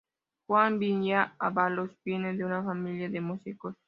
Juan Gigena Ábalos viene de una familia de músicos.